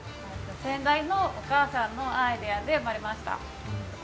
先代のお母さんのアイデアで生まれました。